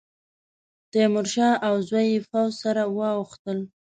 تیمورشاه او زوی یې پوځ سره واوښتل.